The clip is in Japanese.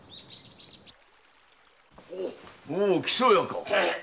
おお木曽屋か。